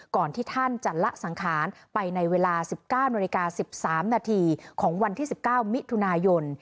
ก่อนที่ท่านจะละสังขารไปในเวลา๑๙นาฬิกา๑๓นาทีของวันที่๑๙มิถุนายน